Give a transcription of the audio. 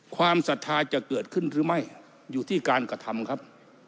ศรัทธาจะเกิดขึ้นหรือไม่อยู่ที่การกระทำครับ